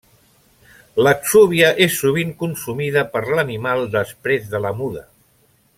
L'exúvia és sovint consumida per l'animal després de la muda.